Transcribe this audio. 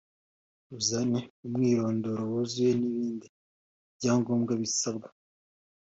Uzane umwirondoro wuzuye n’ibindi byangombwa bisabwa